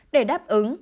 để đáp ứng